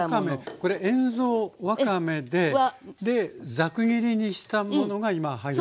これ塩蔵わかめでザク切りにしたものが今入りましたね。